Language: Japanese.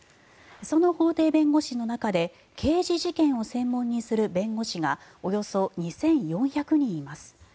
その法廷弁護士の中で刑事事件を専門にする弁護士がおよそ２４００人います。